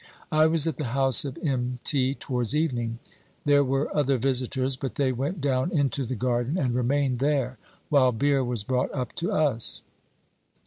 1 was at the house of M. T., towards evening. There were other visitors, but they went down into the garden and remained there, while beer was brought up to us.